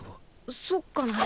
そうかな。